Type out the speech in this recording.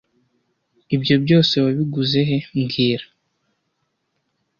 Ibyo byose wabiguze he mbwira